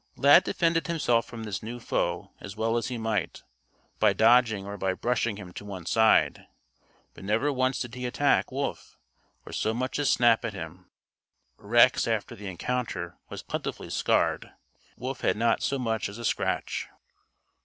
Lad defended himself from this new foe as well as he might, by dodging or by brushing him to one side, but never once did he attack Wolf, or so much as snap at him. (Rex after the encounter, was plentifully scarred. Wolf had not so much as a scratch.)